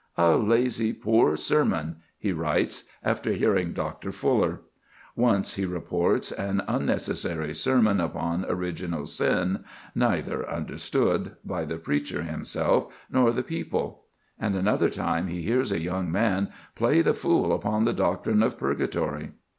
"A lazy, poor sermon," he writes, after hearing Dr. Fuller. Once he reports "an unnecessary sermon upon original sin, neither understood" by the preacher himself "nor the people"; and another time he hears a young man "play the fool upon the doctrine of Purgatory."